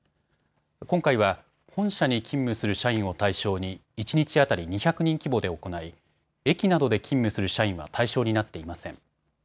今回は本社に勤務する社員を対象に一日当たり２００人規模で行い駅などで勤務する社員は対象になっていません。